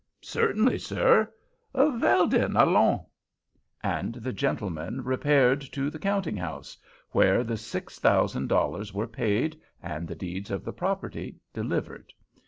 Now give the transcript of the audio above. "Certainly, sir." "Vell den, allons." And the gentlemen repaired to the counting house, where the six thousand dollars were paid, and the deeds of the property delivered.